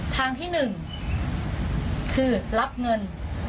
ทางที่หนึ่งคือรับเงิน